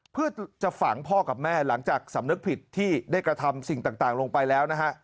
เพื่อจะฝังพ่อกับแม่หลังจากสำนึกผิดที่ได้กระทำสิ่งต่างลงไปแล้วนะฮะ